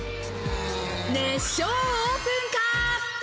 熱唱オープンカー！